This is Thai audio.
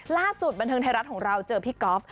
ล่าสุดบันเทิงไทยรัฐของเราเจอพี่ก๊อฟ